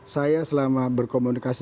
saya selama berkomunikasi